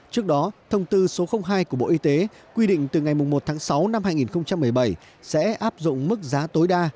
trước đó thông tư số hai của bộ y tế quy định từ ngày một tháng sáu năm hai nghìn một mươi bảy sẽ áp dụng mức giá tối đa